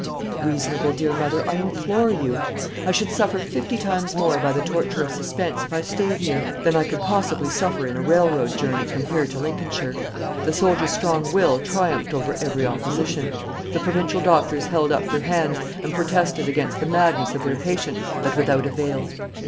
Be reasonable, dear mother, I implore you; I should suffer fifty times more by the torture of suspense if I stayed here, than I can possibly suffer in a railroad journey from here to Lincolnshire." The soldier's strong will triumphed over every opposition. The provincial doctors held up their hands, and protested against the madness of their patient; but without avail.